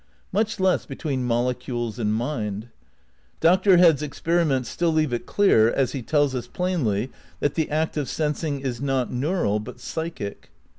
Much less be tween molecules and mind. Dr. Head's experiments still leave it clear, as he tells us, plainly that the act of sensing is not neural but psychic.